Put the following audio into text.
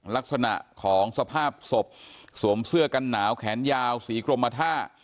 ลักษณะของสภาพศพสวมเสื้อกันหนาวแขนยาวสีกรมท่า